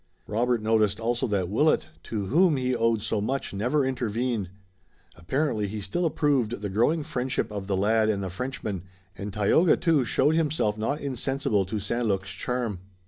Robert noticed also that Willet, to whom he owed so much, never intervened. Apparently he still approved the growing friendship of the lad and the Frenchman, and Tayoga, too, showed himself not insensible to St Luc's charm.